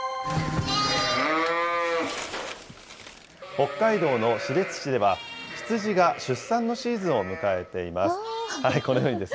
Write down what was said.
北海道の士別市では、羊が出産のシーズンを迎えています。